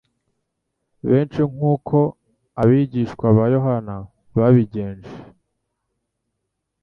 Benshi nk'uko abigishwa ba Yohana babigenje,